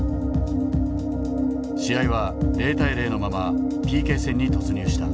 試合は０対０のままＰＫ戦に突入した。